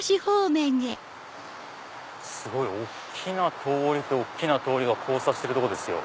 すごい大きな通りと大きな通り交差してるとこですよ。